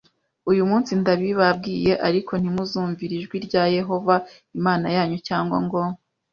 uyu munsi ndabibabwiye ariko ntimuzumvira ijwi rya Yehova Imana yanyu cyangwa ngo